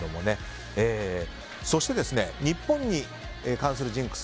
そして、日本に関するジンクス。